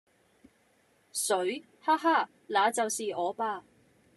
誰？哈哈！那就是我吧！